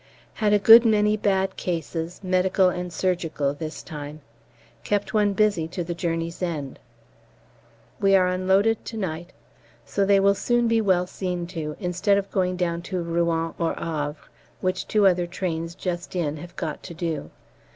Had a good many bad cases, medical and surgical, this time: kept one busy to the journey's end. We are unloaded to night, so they will soon be well seen to, instead of going down to Rouen or Havre, which two other trains just in have got to do.